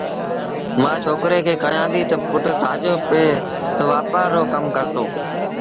مآ ڇوڪري کي ڪهيآݩديٚ تا پُٽ تآجو پي تا وآپآر رو ڪم ڪرتو